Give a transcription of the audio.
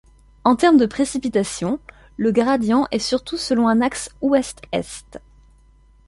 En termes de précipitations, le gradient est surtout selon un axe ouest-est.